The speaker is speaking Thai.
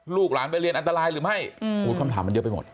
ลูกหลานไปเรียนอันตรายหรือไม่คำถามมันเยอะไปหมด